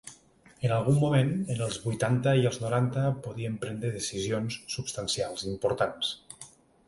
En algun moment, en els vuitanta i els noranta, podien prendre decisions substancials, importants.